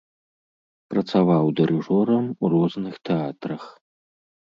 Працаваў дырыжорам у розных тэатрах.